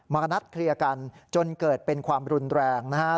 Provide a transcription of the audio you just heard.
มานัดเคลียร์กันจนเกิดเป็นความรุนแรงนะครับ